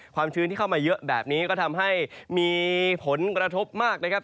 ชื้นที่เข้ามาเยอะแบบนี้ก็ทำให้มีผลกระทบมากนะครับ